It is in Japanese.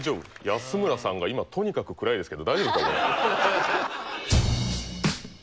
安村さんが今とにかく暗いですけど大丈夫かな？